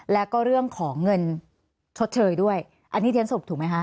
แล้วก็เรื่องของเงินชดเชยด้วยอันนี้ที่ฉันสรุปถูกไหมคะ